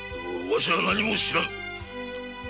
わしはなにも知らんぞ。